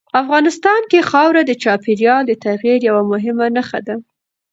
افغانستان کې خاوره د چاپېریال د تغیر یوه مهمه نښه ده.